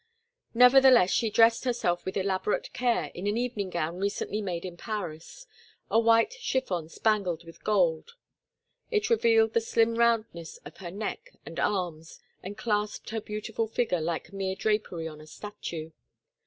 Nevertheless, she dressed herself with elaborate care in an evening gown recently made in Paris, a white chiffon spangled with gold. It revealed the slim roundness of her neck and arms, and clasped her beautiful figure like mere drapery on a statue.